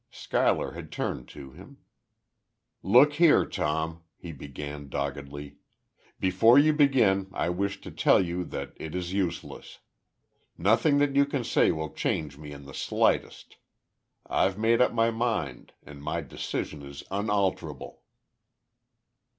Schuyler had turned to him. "Look here, Tom," he began, doggedly, "before you begin, I wish to tell you that it is useless. Nothing that you can say will change me in the slightest. I've made up my mind; and my decision is unalterable."